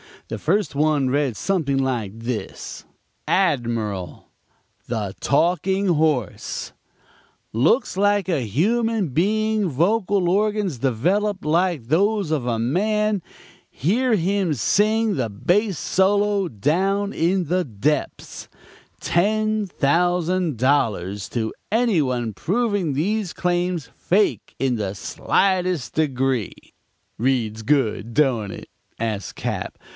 The first one read something like this: ADMIRAL THE TALKING HORSE TALKS LIKE A HUMAN BEING VOCAL ORGANS DEVELOPED LIKE THOSE OF A MAN HEAR HIM SING THE BASS SOLO "DOWN IN THE DEPTHS" TEN THOUSAND DOLLARS TO ANY ONE PROVING THESE CLAIMS FAKE IN THE SLIGHTEST DEGREE "'Reads good, don't it?' asks Cap.